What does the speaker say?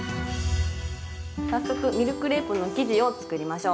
早速ミルクレープの生地を作りましょう。